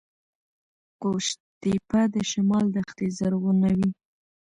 قوش تیپه د شمال دښتې زرغونوي